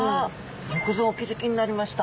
よくぞお気付きになりました。